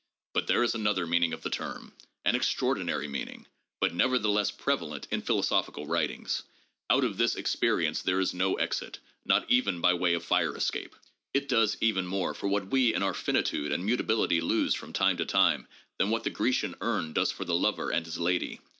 But there is another meaning of the term, an extraordi nary meaning, but nevertheless prevalent in philosophical writings. Out of this Experience there is no exit, not even by way of fire escape. It does even more for what we in our finitude and muta bility lose from time to time than what the Grecian Urn does for the lover and his lady.